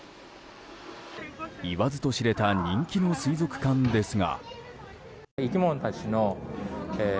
いわずと知れた人気の水族館ですが。